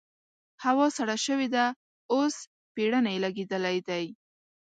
هوا سړه شوې ده؛ اوس پېړنی لګېدلی دی.